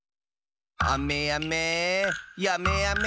あめやめやめあめ。